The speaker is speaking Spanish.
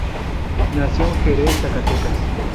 Nació en Jerez, Zacatecas.